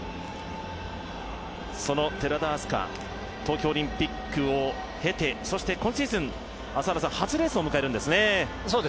その寺田明日香東京オリンピックを経てそして今シーズン、初レースを迎えるんですね。